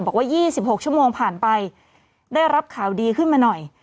บอกว่า๒๖ชั่วโมงผ่านไปได้รับข่าวดีขึ้นมาหน่อย